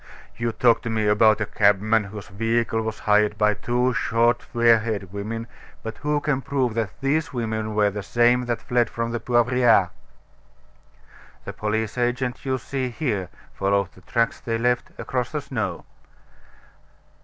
You talk to me about a cabman whose vehicle was hired by two short, fair haired women: but who can prove that these women were the same that fled from the Poivriere?" "The police agent you see here followed the tracks they left across the snow."